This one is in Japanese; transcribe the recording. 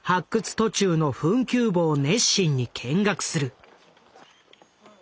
途中の墳丘墓を熱心に見学する。